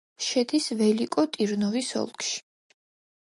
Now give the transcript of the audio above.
შედის ველიკო-ტირნოვოს ოლქში.